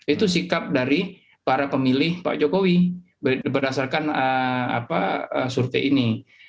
itu sikap dari para pemilih pak jokowi berdasarkan survei ini